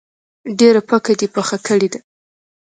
ډیره پکه دي پخه کړی ده